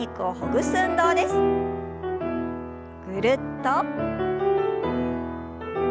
ぐるっと。